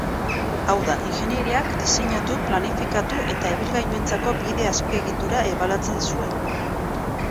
Hau da, ingeniariak diseinatu, planifikatu, eta ibilgailuentzako bide-azpiegitura ebaluatzen zuen.